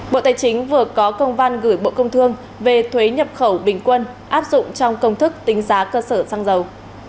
bộ tài chính vừa có công văn gửi bộ công thương về thuế nhập khẩu bình quân áp dụng trong công thức tính giá cơ sở xăng dầu